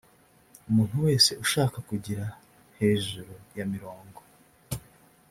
umuntu wese ushaka kugira hejuru ya mirongo